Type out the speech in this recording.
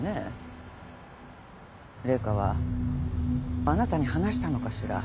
麗華はあなたに話したのかしら？